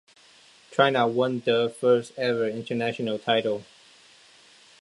China won their first ever international title.